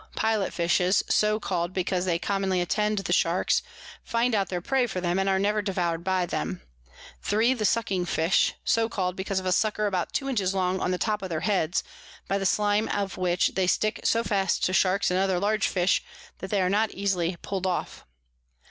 Pilot Fishes, so call'd because they commonly attend the Sharks, find out their Prey for 'em, and are never devour'd by 'em. 3. The Sucking Fish, so call'd because of a Sucker about two inches long on the top of their Heads, by the Slime of which they stick so fast to Sharks and other large Fish, that they are not easily pull'd off.